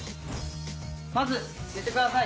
まず寝てください。